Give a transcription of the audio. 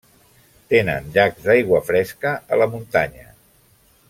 Tenen llacs d'aigua fresca a la muntanya.